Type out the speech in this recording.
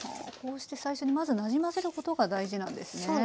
こうして最初にまずなじませることが大事なんですね。